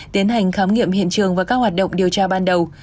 tiến hành khám nghiệm hiện trường và các hoạt động điều tra ban đầu